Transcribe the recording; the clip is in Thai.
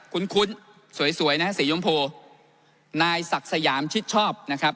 ขุ้นขุ้นสวยสวยน่ะศรียำโพรศ์นายศักดิ์สยามชิดชอบนะครับ